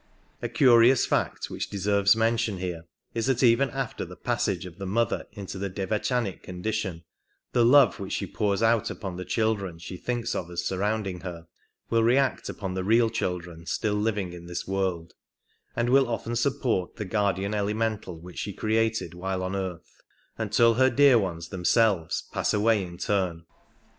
A curious fact which deserves mention here is that even after the passage of the mother into the devachanic condition the love which she pours out upon the children she thinks of as surrounding her will react upon the real children still living in this world, and will often support 72 the guardian elemental which she created while on earth, until her dear ones themselves pass away in turn.